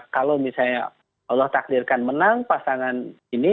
kalau misalnya allah takdirkan menang pasangan ini